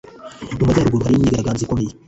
mu majyaruguru hariyo imyigaragambyo ikomeye